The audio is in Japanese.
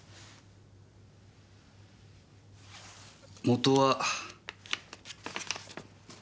元は。